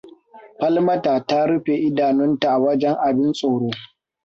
Falmata ta rufe idanunta a wajen abin tsoro.